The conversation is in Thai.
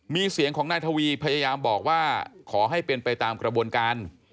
มีเสียงของนายทวีพยายามบอกว่าขอให้เป็นไปตามกระบวนการ